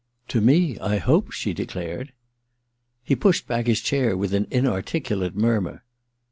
^ To me — I hope,' she declared. He pushed lus chair back with an articulate murmur.